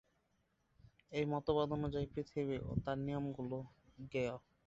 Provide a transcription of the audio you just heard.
এই মতবাদ অনুযায়ী, পৃথিবী ও তার নিয়মগুলি জ্ঞেয়।